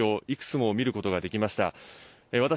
いくつも見ることができました。